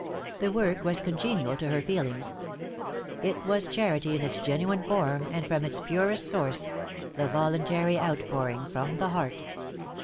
The work was congenial to her feelings. It was charity in its genuine form and from its purest source the voluntary outpouring from the heart.